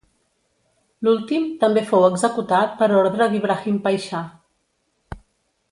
L'últim també fou executat per ordre d'Ibrahim Paixà.